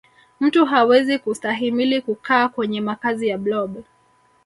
mtu hawezi kustahimili kukaa kwenye makazi ya blob